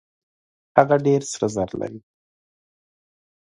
هغه ډېر سره زر لري.